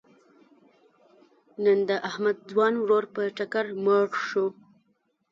نن د احمد ځوان ورور په ټکر مړ شو.